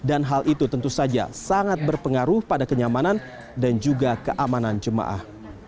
ini adalah keamanan dan juga keamanan jemaah